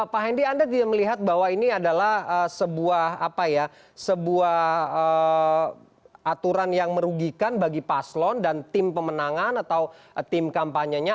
pak hendy anda tidak melihat bahwa ini adalah sebuah aturan yang merugikan bagi paslon dan tim pemenangan atau tim kampanyenya